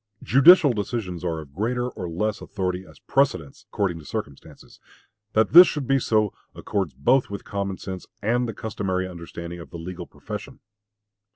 Judicial decisions are of greater or less authority as precedents according to circumstances. That this should be so, accords both with common sense and the customary understanding of the legal profession.